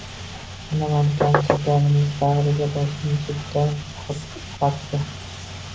Ana, Malikamiz sultonimizni bag`riga bosganicha dong qotib uxlayapti